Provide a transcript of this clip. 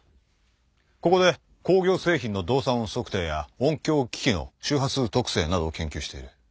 ここで工業製品の動作音測定や音響機器の周波数特性などを研究している。